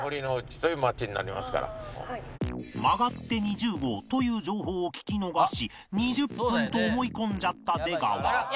曲がって２０号という情報を聞き逃し２０分と思い込んじゃった出川